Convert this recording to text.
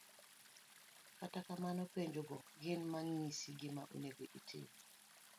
kata kamano, penjo go gin mang'isi gima onego itim.